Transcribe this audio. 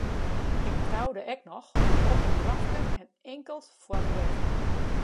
Ik troude ek noch, op in drafke en inkeld foar de wet.